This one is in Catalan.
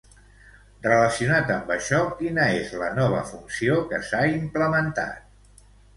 Relacionat amb això, quina es la nova funció que s'ha implementat?